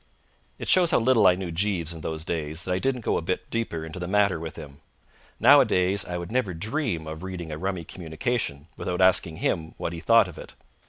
It shows how little I knew Jeeves in those days that I didn't go a bit deeper into the matter with him. Nowadays I would never dream of reading a rummy communication without asking him what he thought of it.